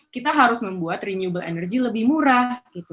kita harus membuat renewable energy lebih murah gitu